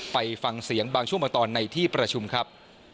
ไปฟังเสียงบางช่วงบางตอนในที่ประชุมครับ